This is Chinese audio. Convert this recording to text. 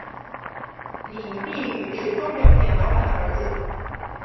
李弼雨是钟表店老板的儿子。